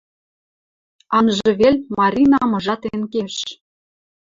Анжы вел, Маринам ыжатен кеш...